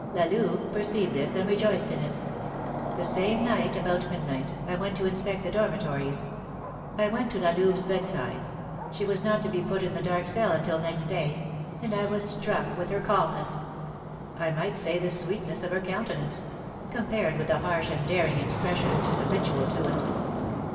La Louve perceived this, and rejoiced in it. The same night, about midnight, I went to inspect the dormitories; I went to La Louve's bedside (she was not to be put in the dark cell until next day) and I was struck with her calmness, I might say the sweetness of her countenance, compared with the harsh and daring expression which is habitual to it.